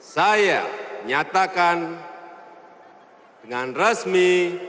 saya nyatakan dengan resmi